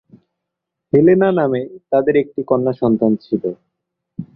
Helena নামে তাদের একটি কন্যা সন্তান ছিল।